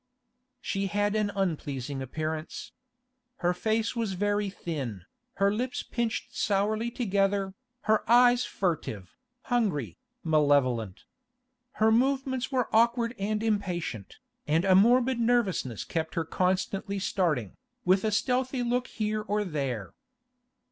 She had an unpleasing appearance. Her face was very thin, her lips pinched sourly together, her eyes furtive, hungry, malevolent. Her movements were awkward and impatient, and a morbid nervousness kept her constantly starting, with a stealthy look here or there.